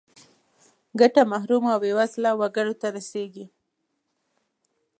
ګټه محرومو او بې وزله وګړو ته رسیږي.